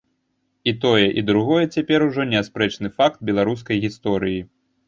І тое, і другое цяпер ужо неаспрэчны факт беларускай гісторыі.